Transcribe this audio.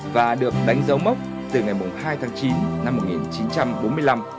và được đánh dấu mốc từ ngày hai tháng chín năm một nghìn chín trăm bốn mươi năm